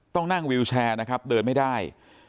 ต้องนั่งวิวแชร์นะครับเดินไม่ได้